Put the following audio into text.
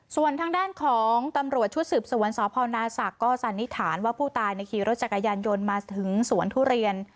ส่วนทางด้านของตำรวจชุดสืบสวนสพนาศักดิ์ก็สันนิษฐานว่าผู้ตายในขี่รถจักรยานยนต์มาถึงสวนทุเรียน